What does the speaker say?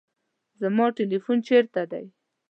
زما تلیفون چیرته دی؟